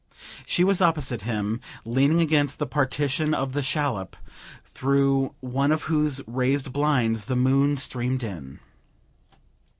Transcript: She was opposite him, leaning against the partition of the shallop, through one of whose raised blinds the moon streamed in.